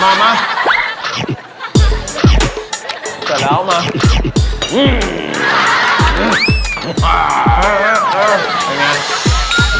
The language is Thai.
ไปตรงใบก่อน